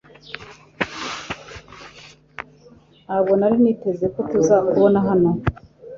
Ntabwo nari niteze ko tuzakubona hano